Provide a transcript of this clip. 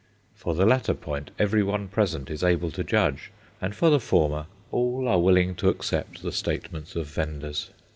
For the latter point everyone present is able to judge, and for the former all are willing to accept the statements of vendors.